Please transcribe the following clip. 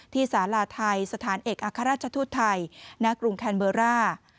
ที่สาหร่าทัยสถานเอกอาคาราชทูตไทยณกรุงแคมเบอร์ร่า